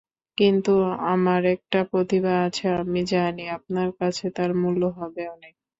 কিন্তু আমার একটা প্রতিভা আছে, আমি জানি আপনার কাছে তার মূল্য হবে অনেক।